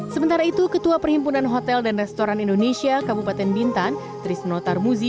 sementara itu ketua perhimpunan hotel dan restoran indonesia kabupaten bintan trisno tarmuzi